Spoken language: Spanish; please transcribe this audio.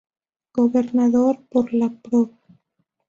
Gobernador por la Prov.